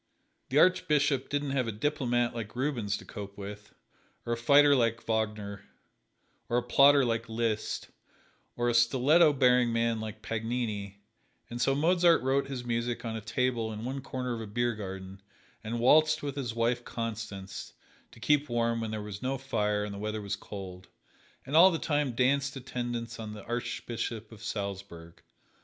The Archbishop didn't have a diplomat like Rubens to cope with, or a fighter like Wagner, or a plotter like Liszt, or a stiletto bearing man like Paganini, and so Mozart wrote his music on a table in one corner of a beer garden, and waltzed with his wife, Constance, to keep warm when there was no fire and the weather was cold, and all the time danced attendance on the Archbishop of Salzburg.